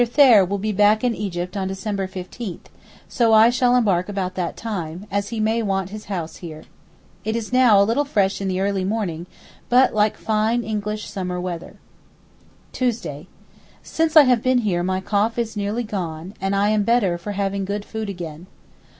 Thayer will be back in Egypt on December 15, so I shall embark about that time, as he may want his house here. It is now a little fresh in the early morning, but like fine English summer weather. Tuesday.—Since I have been here my cough is nearly gone, and I am better for having good food again.